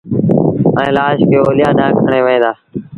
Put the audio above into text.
ائيٚݩ لآش کي اوليآ ڏآݩهݩ کڻي وهيݩ دآ